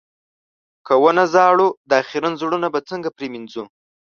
که و نه ژاړو، دا خيرن زړونه به څنګه مينځو؟